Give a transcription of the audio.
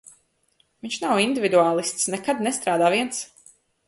Viņš nav individuālists, nekad nestrādā viens.